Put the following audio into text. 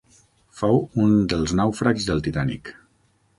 Fou un dels nàufrags del «Titànic».